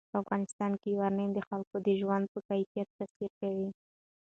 په افغانستان کې یورانیم د خلکو د ژوند په کیفیت تاثیر کوي.